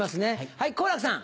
はい好楽さん。